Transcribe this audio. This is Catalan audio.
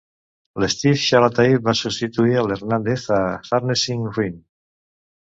L'Steve Shalaty va substituir a l'Hernández a "Harnessing Ruin".